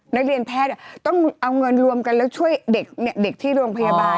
นักเรียนแพทย์ต้องเอาเงินรวมกันแล้วช่วยเด็กที่โรงพยาบาล